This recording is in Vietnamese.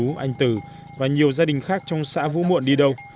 ông nú anh từ và nhiều gia đình khác trong xã vũ muộn đi đâu